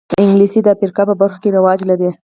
انګلیسي د افریقا په برخو کې رواج لري